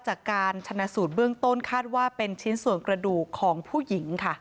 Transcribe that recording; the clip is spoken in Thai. จากการชนะสูตรเบื้องต้นคาดว่าเป็นชิ้นส่วนกระดูกของผู้หญิงค่ะ